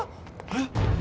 えっ？